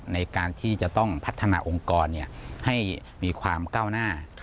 ในการที่จะต้องพัฒนาองค์กรให้มีความก้าวหน้า